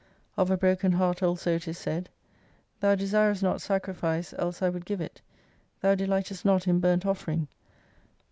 Of a broken heart also it is said, Thou desirest not sacrifice else I would give it. Thou delightest not in burnt offering.